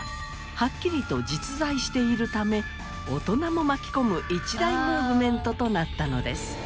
はっきりと実在しているため大人も巻き込む一大ムーブメントとなったのです。